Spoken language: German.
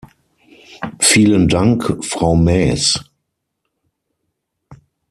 Vielen Dank, Frau Maes.